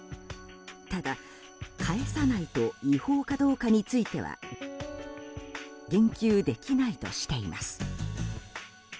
ただ、返さないと違法かどうかについては言及できないとしています。